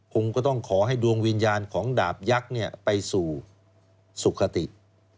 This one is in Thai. คงก็ต้องขอให้ดวงวิญญาณของดาบยักษ์ไปสู่สุขติ